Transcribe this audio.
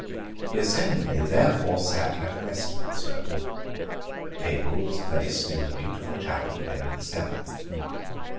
The assembly therefore sate at Westminster, A table was placed in the beautiful chapel of Henry the Seventh.